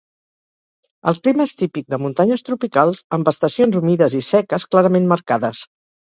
El clima és típic de muntanyes tropicals amb estacions humides i seques clarament marcades.